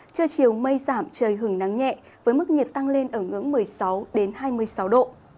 trưa chiều mây giảm trời hứng nắng nhẹ với mức nhiệt tăng lên ở ngưỡng một mươi sáu hai mươi sáu độ